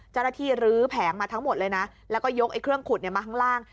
เจ้าหน้าที่ลื้อแผงมาทั้งหมดเลยนะแล้วก็ยกไอ้เครื่องขุดมาข้างล่าง